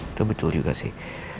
itu betul juga sih